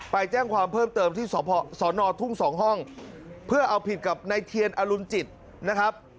ไปแจ้งความเพิ่มเติมที่สอนอทุ่ง๒ห้องเพื่อเอาผิดกับในเทียนอรุณจิตนะครับ